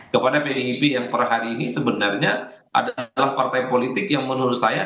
kepada pdip yang per hari ini sebenarnya adalah partai politik yang menurut saya